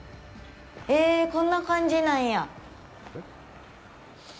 へえ、こんな感じなんや。